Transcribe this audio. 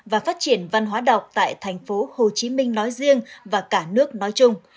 và phát triển văn hóa đọc tại thành phố hồ chí minh nói riêng và cả nước nói chung